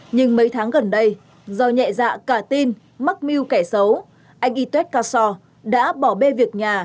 nhưng mấy tháng gần đây do nhẹ dạ cả tin mắc mưu kẻ xấu anh yused caso đã bỏ bê việc nhà